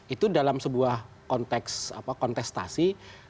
itu dalam sebuah konteks kontestasi